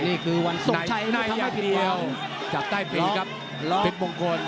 นายอย่างเดียวจับได้พีครับเป็นพวกคน